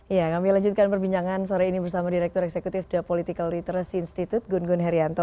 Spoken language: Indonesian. ya kami lanjutkan perbincangan sore ini bersama direktur eksekutif the political literacy institute gun gun herianto